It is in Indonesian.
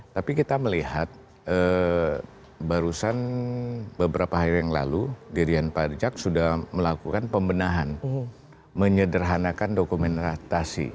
tapi kita melihat barusan beberapa hari yang lalu dirian pajak sudah melakukan pembenahan menyederhanakan dokumentasi